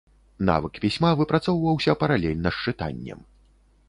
Навык пісьма выпрацоўваўся паралельна з чытаннем.